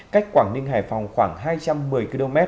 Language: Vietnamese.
cách quảng ninh hải phòng khoảng hai trăm một mươi km